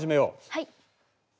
はい。